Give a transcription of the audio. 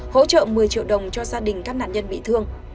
hỗ trợ một mươi triệu đồng cho gia đình các nạn nhân bị thương